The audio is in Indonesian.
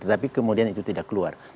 tapi kemudian itu tidak keluar